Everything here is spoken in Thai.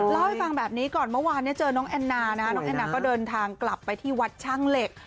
เล่าให้ฟังแบบนี้ก่อนเมื่อวานเนี่ยเจอน้องแอนนานะน้องแอนนาก็เดินทางกลับไปที่วัดช่างเหล็ก